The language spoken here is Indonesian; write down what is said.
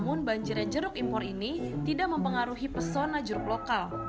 namun banjir jeruk impor ini tidak mempengaruhi persona juruk luar negara